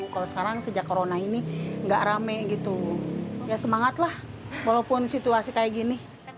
kalau sekarang sejak corona ini nggak rame gitu ya semangat lah walaupun situasi kayak gini